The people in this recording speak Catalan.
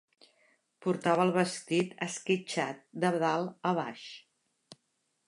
Portava el vestit esquitxat de dalt a baix.